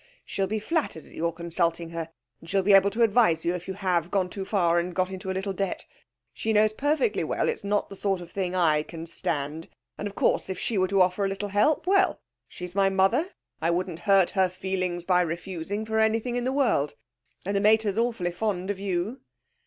She'll be flattered at your consulting her, and she'll be able to advise you if you have gone too far and got into a little debt. She knows perfectly well it's not the sort of thing I can stand. And, of course, if she were to offer to help a little, well! she's my mother; I wouldn't hurt her feelings by refusing for anything in the world, and the mater's awfully fond of you.'